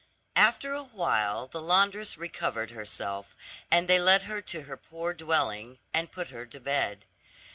After a while the laundress recovered herself, and they led her to her poor dwelling, and put her to bed.